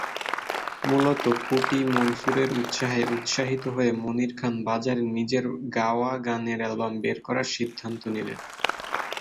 মূলত কুটি মনসুরের উৎসাহে উৎসাহিত হয়ে মনির খান বাজারে নিজের গাওয়া গানের অ্যালবাম বের করার সিদ্ধান্ত নিলেন।